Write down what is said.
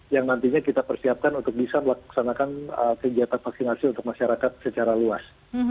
yang nantinya kita persiapkan untuk bisa melaksanakan kegiatan vaksinasi untuk masyarakat secara luas